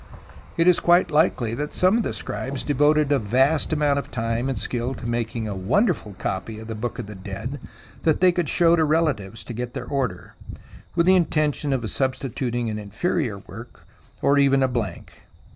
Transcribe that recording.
It is quite likely that some of the scribes devoted a vast amount of time and skill to making a wonderful copy of the Book of the Dead that they could show to relatives to get their order, with the intention of substituting an inferior work, or even a blank.